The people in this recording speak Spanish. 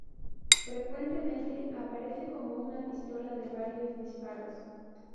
Frecuentemente aparece como una pistola de varios disparos.